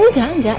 oh gak gak